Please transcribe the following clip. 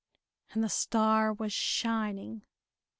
And the star was shining.